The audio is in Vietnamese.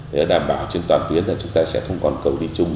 để đảm bảo trên toàn tuyến là chúng ta sẽ không còn cầu đi chung